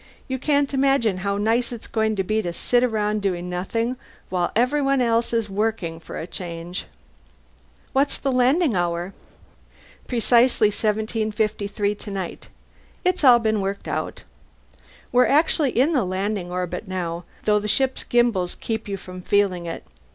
"You can't imagine how nice it's going to be to sit around doing nothing while everyone else is working, for a change." "What's the landing hour?" "Precisely 1753 tonight. It's all been worked out. We actually are in the landing orbit now, though the ship's gimbals keep you from feeling it.